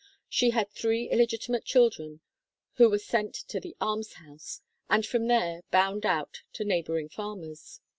She had three illegitimate children who were sent to the almshouse, and from there bound out to neighboring farmers.